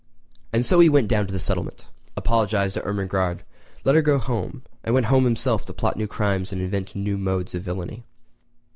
And so he went down to the settlement, apologised to Ermengarde, let her go home, and went home himself to plot new crimes and invent new modes of villainy.